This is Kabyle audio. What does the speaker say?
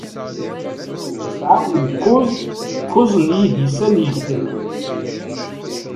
Yesɛa umkuẓ kuẓ n yidisan yegdan.